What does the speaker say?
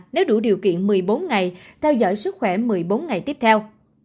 nếu đủ điều kiện một mươi bốn ngày theo dõi sức khỏe một mươi bốn ngày tiếp theo